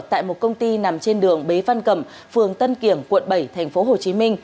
tại một công ty nằm trên đường bế văn cẩm phường tân kiểng quận bảy tp hcm